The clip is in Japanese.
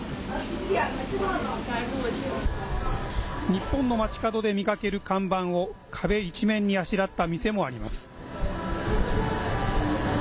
日本の街角で見かける看板を壁一面にあしらった店もあります。